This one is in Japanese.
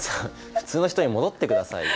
普通の人に戻ってくださいよ。